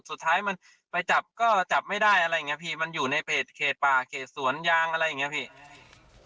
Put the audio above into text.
สุดท้ายมันไปจับก็จับไม่ได้อะไรอย่างเงี้พี่มันอยู่ในเพจเขตป่าเขตสวนยางอะไรอย่างเงี้พี่